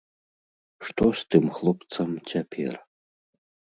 Што з тым хлопцам цяпер?